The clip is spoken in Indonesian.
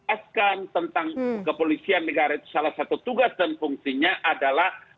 askan tentang kepolisian negara itu salah satu tugas dan fungsinya adalah